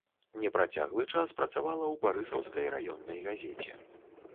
Непрацяглы час працавала ў барысаўскай раённай газеце.